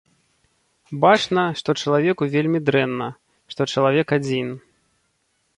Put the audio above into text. Бачна, што чалавеку вельмі дрэнна, што чалавек адзін.